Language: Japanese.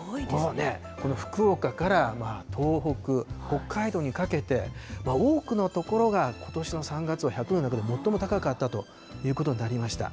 この福岡から東北、北海道にかけて、多くの所がことしの３月は１００年の中で最も高かったということになりました。